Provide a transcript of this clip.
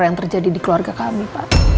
yang terjadi di keluarga kami pak